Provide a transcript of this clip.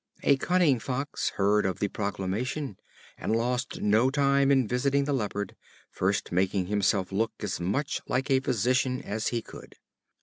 A cunning Fox heard of the proclamation, and lost no time in visiting the Leopard, first making himself look as much like a physician as he could.